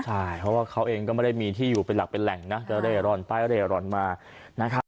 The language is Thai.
ใช่เพราะว่าเขาเองก็ไม่ได้มีที่อยู่เป็นหลักเป็นแหล่งนะจะเร่ร่อนไปเร่ร่อนมานะครับ